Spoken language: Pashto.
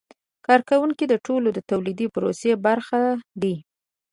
کارکوونکي د ټولو تولیدي پروسو برخه دي.